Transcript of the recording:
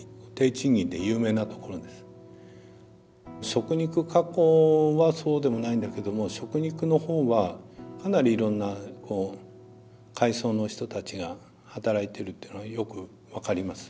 食肉加工はそうでもないんだけども食肉のほうはかなりいろんな階層の人たちが働いてるっていうのはよく分かります。